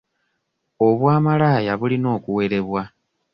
Obwamalaya bulina okuwerebwa.